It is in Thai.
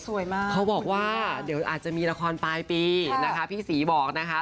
เขาบอกว่าเดี๋ยวอาจจะมีละครปลายปีนะคะพี่ศรีบอกนะคะ